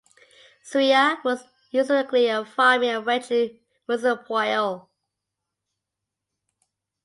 Zuia was historically a farming and ranching municipio.